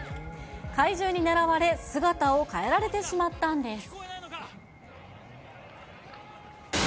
怪獣に狙われ、姿を変えられてしまったんです。